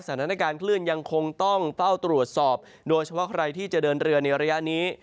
สถานการณ์คลื่นยังคงต้องเฝ้าตรวจสอบโดยเฉพาะใครที่จะเดินเรือในระยะนี้